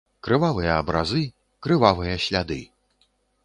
Крывавыя абразы, крывавыя сляды.